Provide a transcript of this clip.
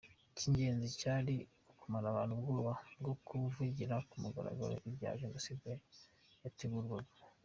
Icy’ingenzi cyari ukumara abantu ubwoba bwo kuvugira ku mugaragaro ibya Jenoside yategurwaga.